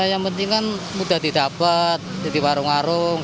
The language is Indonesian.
ya yang penting kan mudah didapat di warung warung